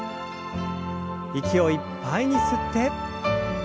息をいっぱいに吸って。